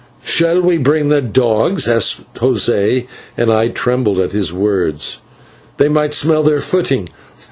"Shall we bring the dogs?" asked José and I trembled at his words: "they might smell their footing."